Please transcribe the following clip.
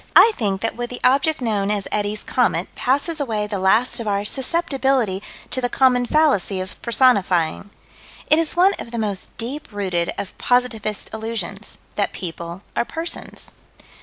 I think that with the object known as Eddie's "comet" passes away the last of our susceptibility to the common fallacy of personifying. It is one of the most deep rooted of positivist illusions that people are persons.